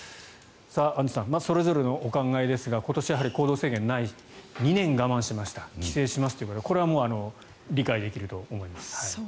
アンジュさんそれぞれのお考えですが今年は行動制限がない２年我慢しました帰省しますというのはこれは理解できると思います。